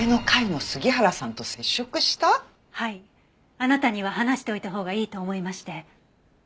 あなたには話しておいたほうがいいと思いまして。